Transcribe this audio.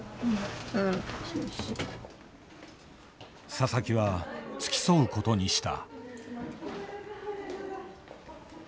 佐々木は付き添うことにした。